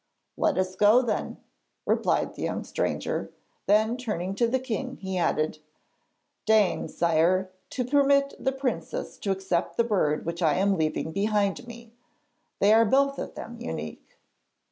'Let us go then,' replied the young stranger; then turning to the king he added: 'Deign, sire, to permit the princess to accept the bird which I am leaving behind me. They are both of them unique.'